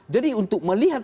jadi untuk melihat